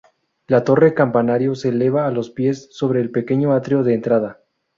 La torre campanario se eleva a los pies, sobre el pequeño atrio de entrada.